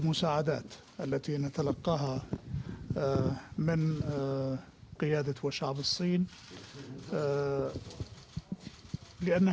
karena ini adalah pengaturan yang benar